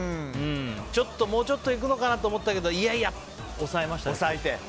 もうちょっといくのかなと思ったけどいやいや、抑えました。